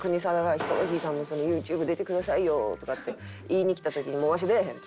「ヒコロヒーさんもそのＹｏｕＴｕｂｅ出てくださいよ」とかって言いに来た時に「わし出えへん」と。